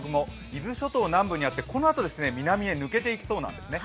伊豆諸島南部にあってこのあと、南に抜けていきそうなんですね。